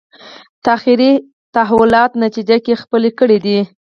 تاریخي تحولاتو نتیجه کې خپلې کړې دي